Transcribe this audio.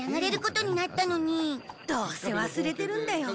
どうせ忘れてるんだよ。